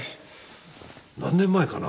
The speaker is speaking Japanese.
何年前かな？